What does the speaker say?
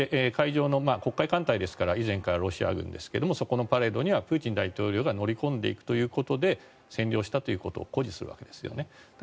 黒海艦隊ですから以前からロシア軍ですけれどそこのパレードにはプーチン大統領が乗り込んでいくということで占領したということを誇示するわけですよね。